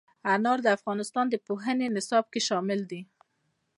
انار د افغانستان د پوهنې نصاب کې شامل دي.